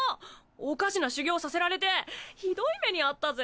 おかしな修行させられてひどい目にあったぜ！